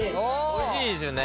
おいしいですよね。